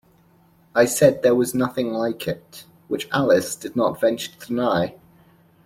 ‘I said there was nothing like it.’ Which Alice did not venture to deny.